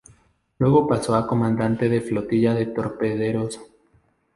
Luego pasó a comandante de flotilla de torpederos.